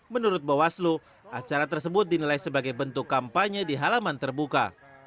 menurut bawaslu acara tersebut dinilai sebagai bentuk kampanye di halaman terbuka